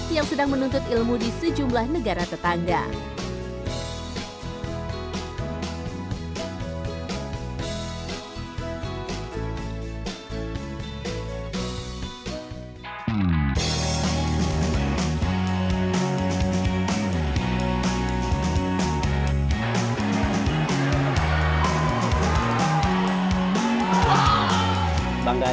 yang sedang menuntut ilmu di sejumlah negara tetangga